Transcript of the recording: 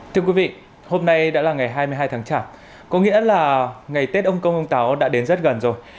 thưa quý vị hôm nay đã là ngày hai mươi hai tháng chạp có nghĩa là ngày tết ông công ông táo đã đến rất gần rồi